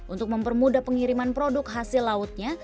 untuk mempermudah pengiriman produk hasil lautnya